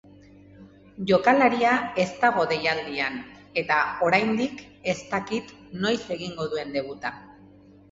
Jokalaria ez dago deialdian, eta oraindik ez dakit noiz egingo duen debuta.